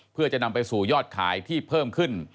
เพื่อจะนำไปสู่ยอดขายที่เพิ่มขึ้น